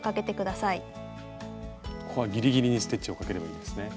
ここはギリギリにステッチをかければいいんですね。